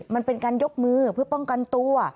มันเป็นการยกมือเพื่อป้องกันตัว